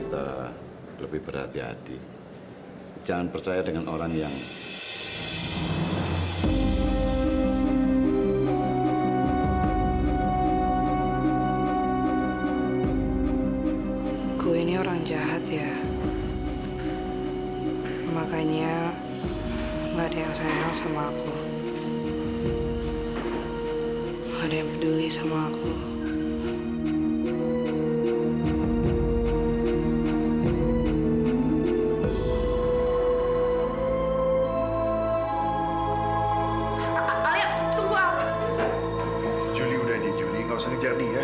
tapi aku gak percaya kalau dia itu beneran gila